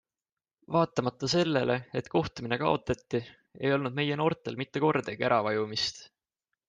Vaatamata sellele, et kohtumine kaotati, ei olnud meie noortel mitte kordagi äravajumist.